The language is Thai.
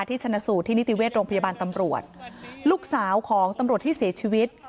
ชนะสูตรที่นิติเวชโรงพยาบาลตำรวจลูกสาวของตำรวจที่เสียชีวิต